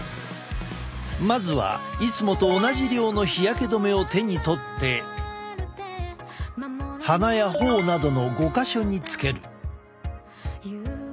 まずはいつもと同じ量の日焼け止めを手に取って鼻や頬などの５か所につける。